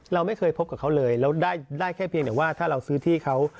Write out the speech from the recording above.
เราไม่เคยพบกับเขาเลยเราได้แค่เพียงแต่ว่าถ้าเราซื้อที่เขา